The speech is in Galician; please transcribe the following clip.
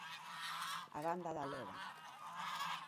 A Banda da Loba.